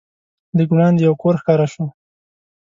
لږ وړاندې یو کور ښکاره شو.